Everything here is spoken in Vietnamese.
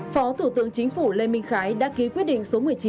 phó thủ tướng chính phủ lê minh khái đã ký quyết định số một mươi chín